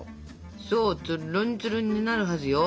そうツルンツルンになるはずよ